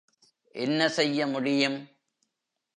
என்ன செய்ய முடியும்?